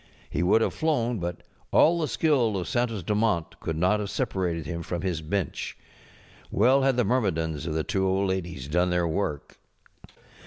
He would have flown, but all the skill of Santos Dumont could not have separated him from his bench. Well had the myrmidons of the two old ladies done their work.